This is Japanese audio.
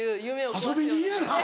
遊び人やな。